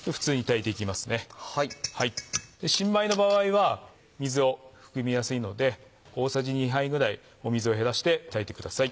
新米の場合は水を含みやすいので大さじ２杯ぐらい水を減らして炊いてください。